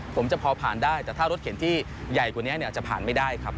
ผมจะพอผ่านได้แต่ถ้ารถเข็นที่ใหญ่กว่านี้เนี่ยจะผ่านไม่ได้ครับ